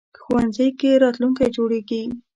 ښوونځی کې راتلونکی جوړېږي